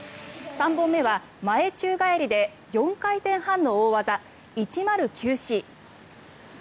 ３本目は前宙返りで４回転半の大技１０９Ｃ。